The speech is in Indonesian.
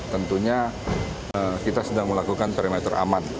tentunya kita sedang melakukan perimeter aman